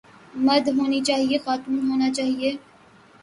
مرد ہونی چاہئے خاتون ہونا چاہئے